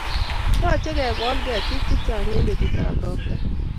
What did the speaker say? Yochei kegol ketit chechang eng betutap ropta